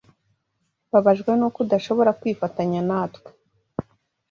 Mbabajwe nuko udashobora kwifatanya natwe.